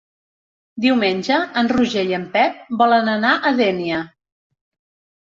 Diumenge en Roger i en Pep volen anar a Dénia.